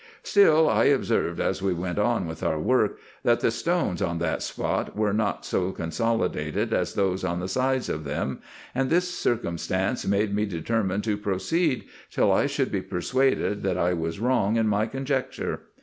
Still I observed, as we went on with our work, that the stones on that spot were not so consolidated as those on the sides of them, and this circumstance made me determine to proceed, till I should be persuaded that I was wrong in my conjecture.